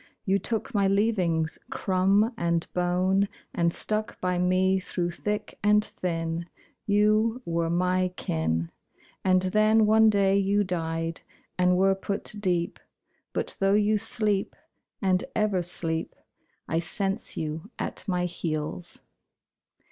You took my leavings, crumb and bone, And stuck by me through thick and thin You were my kin. And then one day you died And were put deep. But though you sleep, and ever sleep, I sense you at my heels.